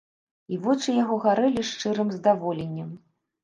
І вочы яго гарэлі шчырым здаволеннем.